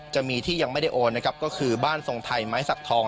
จะมีที่ยังไม่ได้โอนนะครับก็คือบ้านทรงไทยไม้สักทอง